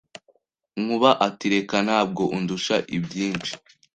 Nkuba ati Reka Ntabwo undusha ibyinshi,